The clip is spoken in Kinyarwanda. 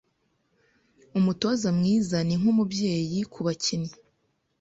Umutoza mwiza ni nkumubyeyi kubakinnyi.